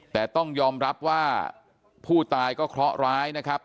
แต่ต้องยอมรับว่าผู้ตายก็เคราะห์ร้ายนะครับ